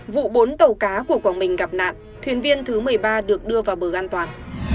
vụ bốn tàu cá của quảng bình gặp nạn thuyền viên thứ một mươi ba được đưa vào bờ an toàn